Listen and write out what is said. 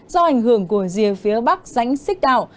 do ảnh hưởng của rìa phía bắc rãnh xích đạo